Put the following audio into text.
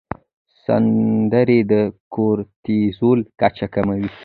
سندرې د کورتیزول کچه کموي.